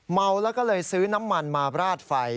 เมาแล้วก็เลยซื้อน้ำมันมาราดไฟ